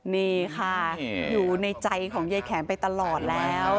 นี่ค่ะอยู่ในใจของยายแข็มไปตลอดแล้ว